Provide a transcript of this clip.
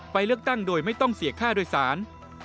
เลือกตั้งโดยไม่ต้องเสียค่าโดยสาร